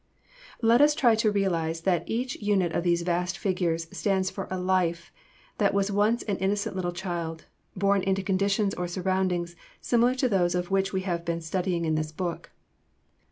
] Let us try to realize that each unit of these vast figures stands for a life that was once an innocent little child, born into conditions or surroundings similar to those of which we have been studying in this book.